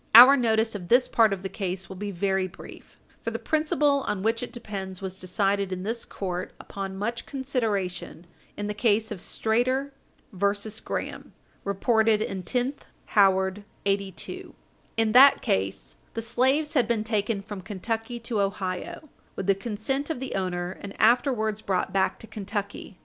Our notice of this part of the case will be very brief, for the principle on which it depends was decided in this court, upon much consideration, in the case of Strader et al. v. Graham, reported in 10th Howard 82. In that case, the slaves had been taken from Kentucky to Ohio, with the consent of the owner, and afterwards brought back to Kentucky.